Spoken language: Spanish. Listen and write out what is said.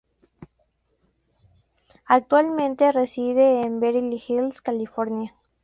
Actualmente reside en Beverly Hills, California.